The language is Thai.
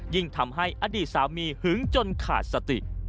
ทำให้อดีตสามีหึงจนขาดสติ